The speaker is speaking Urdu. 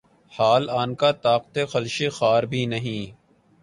حال آنکہ طاقتِ خلشِ خار بھی نہیں